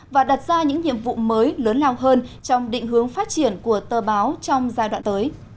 và đặt ra những nhiệm vụ mới lớn lao hơn trong định hướng phát triển của tờ báo trong giai đoạn tới